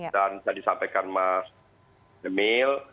dan saya disampaikan mas demil